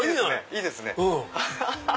いいですね！